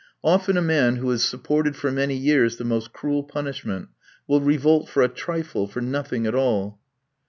Often a man who has supported for many years the most cruel punishment, will revolt for a trifle, for nothing at all.